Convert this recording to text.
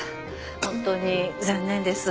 本当に残念です。